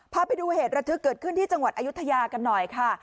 พาไปดูเหตุระทึกเกิดขึ้นที่จังหวัดอายุทยากันหน่อยค่ะ